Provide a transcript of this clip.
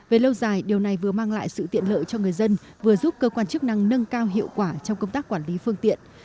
về lâu dài điều này vừa mang lại sự tiện lợi cho người dân vừa giúp cơ quan chức năng nâng cao hiệu quả trong công tác quản lý phương tiện